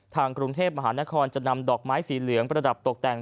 ทางกรุงเทพมหานครจะนำดอกไม้สีเหลืองประดับตกแต่ง